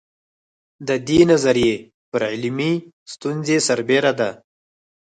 د دې نظریې پر علمي ستونزې سربېره ده.